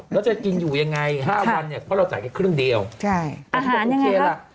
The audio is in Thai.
แล้วจะกินอยู่ยังไงห้าวันเนี่ยเพราะเราจ่ายแค่ครึ่งเดียวใช่โอเคล่ะ